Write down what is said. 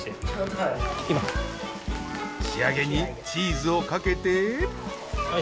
仕上げにチーズをかけて。